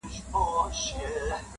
خو وجدان يې ورسره دی تل-